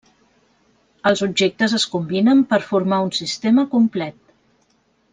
Els objectes es combinen per formar un sistema complet.